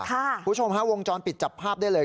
คุณผู้ชมฮะวงจรปิดจับภาพได้เลย